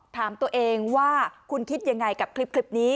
ถามตัวเองว่าคุณคิดยังไงกับคลิปนี้